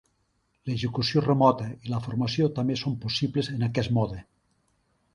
L'execució remota i la formació també són possibles en aquest mode.